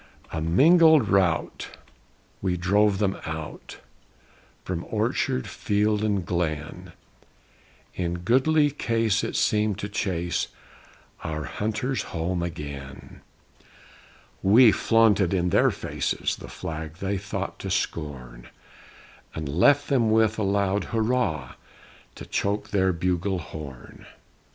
A mingled rout, we drove them out From orchard, field, and glen; In goodly case it seemed to chase Our hunters home again! We flaunted in their faces The flag they thought to scorn, And left them with a loud "Hurrah!" To choke their bugle horn!